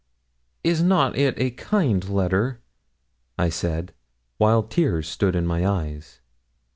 'Is not it a kind letter?' I said, while tears stood in my eyes.